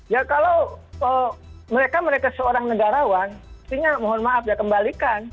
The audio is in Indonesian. ya kalau mereka seorang negarawan pastinya mohon maaf ya kembalikan